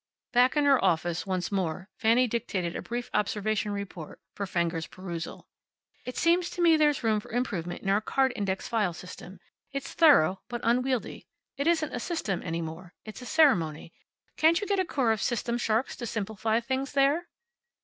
Back in her office once more Fanny dictated a brief observation report for Fenger's perusal. "It seems to me there's room for improvement in our card index file system. It's thorough, but unwieldy. It isn't a system any more. It's a ceremony. Can't you get a corps of system sharks to simplify things there?"